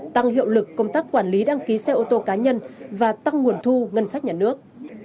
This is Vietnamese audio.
tăng hiệu lực công tác quản lý đăng ký xe ô tô cá nhân và tăng nguồn thu ngân sách nhà nước